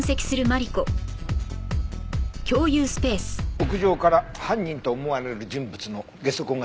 屋上から犯人と思われる人物の下足痕が出たよ。